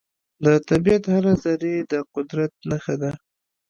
د طبیعت هره ذرې د قدرت نښه ده.